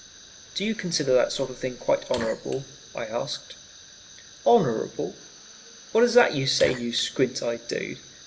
"Do you consider that sort of thing quite honorable?" I asked. "Honorable? What is that you say, you squint eyed dude?